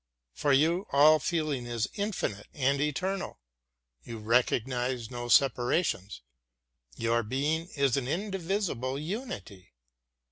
For you all feeling is infinite and eternal; you recognize no separations, your being is an indivisible unity.